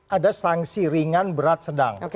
ada sanksi ringan berat sedang